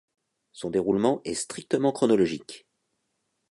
Son déroulement est strictement chronologique.